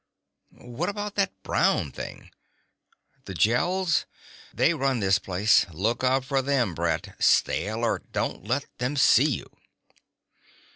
"What about that brown thing?" "The Gels? They run this place. Look out for them, Brett. Stay alert. Don't let them see you."